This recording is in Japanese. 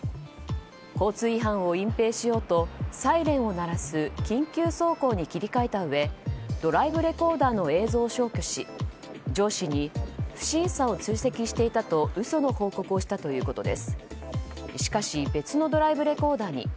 交通違反を隠蔽しようとサイレンを鳴らす緊急走行に切り替えたうえドライブレコーダーの映像を消去し上司に不審者を追跡していたと嘘の報告をしたということです。